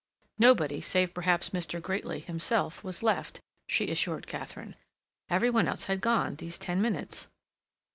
Nobody, save perhaps Mr. Grateley himself, was left, she assured Katharine; every one else had been gone these ten minutes.